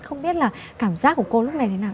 không biết là cảm giác của cô lúc này thế nào